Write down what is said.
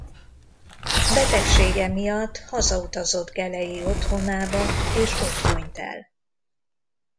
Betegsége miatt hazautazott geleji otthonába és ott hunyt el.